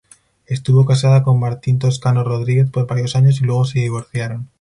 Estuvo casada con Martín Toscano Rodríguez por varios años y luego se divorciaron.